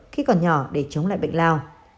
khi còn nhỏ để chống lại bệnh lao